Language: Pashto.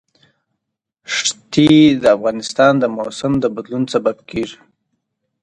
ښتې د افغانستان د موسم د بدلون سبب کېږي.